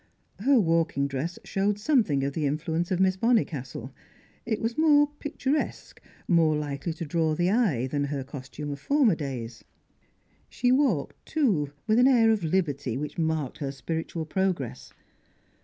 Her walking dress showed something of the influence of Miss Bonnicastle; it was more picturesque, more likely to draw the eye, than her costume of former days. She walked, too, with an air of liberty which marked her spiritual progress.